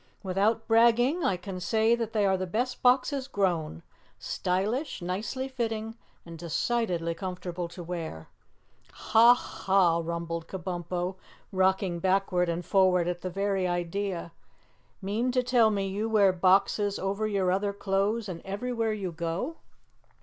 "Without bragging, I can say that they are the best boxes grown stylish, nicely fitting and decidedly comfortable to wear." "Ha, ha!" rumbled Kabumpo, rocking backward and forward at the very idea. "Mean to tell me you wear boxes over your other clothes and everywhere you go?"